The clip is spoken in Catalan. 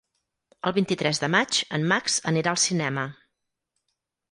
El vint-i-tres de maig en Max anirà al cinema.